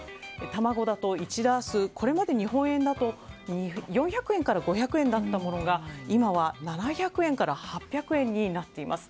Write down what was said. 卵だと、１ダースこれまで日本円だと４００円から５００円だったものが今は７００円から８００円になっています。